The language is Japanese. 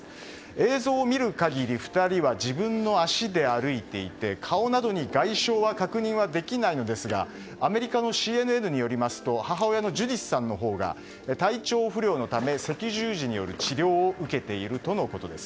映像を見る限り自分の足で歩いていて、顔などに外傷は確認できないのですがアメリカのＣＮＮによりますと母親のジュディスさんのほうが体調不良のため、赤十字による治療を受けているとのことです。